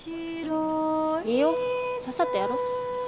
いいよ。さっさとやろう。